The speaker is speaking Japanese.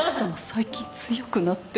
最近強くなってる。